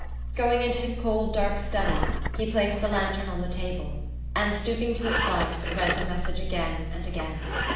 Going into his cold dark "study" he placed the lantern on the table and, stooping to its light, read the message again and again.